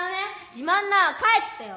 自まんなら帰ってよ！